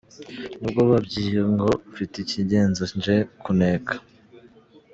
Nibwo bambwiye ngo mfite ikingenza nje kuneka.